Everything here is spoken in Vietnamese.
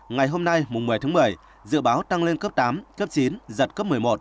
ngày hôm nay một mươi tháng một mươi dự báo tăng lên cấp tám cấp chín giật cấp một mươi một